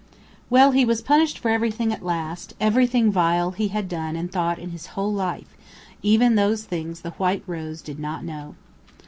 Well, he was punished for everything at last everything vile he had done and thought in his whole life; even those things the White Rose did not know!